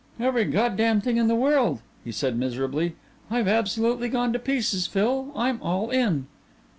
"Every God damn thing in the world," he said miserably. "I've absolutely gone to pieces, Phil. I'm all in."